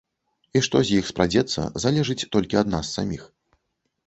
І што з іх спрадзецца, залежыць толькі ад нас саміх.